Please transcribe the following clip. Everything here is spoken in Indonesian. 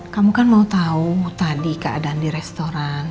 kamu kan mau tahu tadi keadaan di restoran